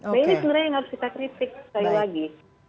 nah ini sebenarnya yang harus kita kritik sekali lagi